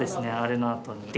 あれのあとに。